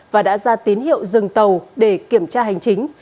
và đã ra tín hiệu dừng tàu để kiểm tra hành chính